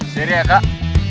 seri ya kak